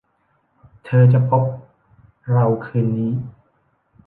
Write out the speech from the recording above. เธอจะพบเราคืนนี้